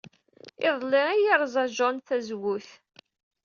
Iḍelli ay yerẓa Juan tazewwut.